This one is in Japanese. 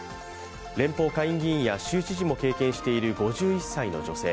連邦下院議員や州知事も経験している５１歳の女性。